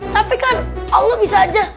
tapi kan allah bisa aja